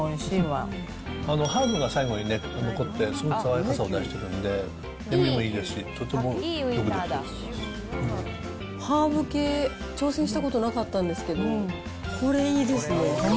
ハーブが最後にね、残って、すごく爽やかさを出してるんで、塩味もいいですし、とてもよく出ハーブ系、挑戦したことなかったんですけど、これいいですね。